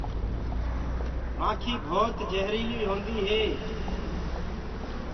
مآکي ڀوت جهريلي هوندي هي۔